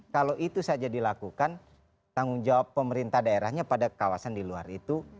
kalau itu saja dilakukan tanggung jawab pemerintah daerahnya pada kawasan di luar itu